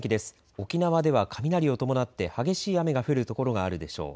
沖縄では雷を伴って激しい雨が降る所があるでしょう。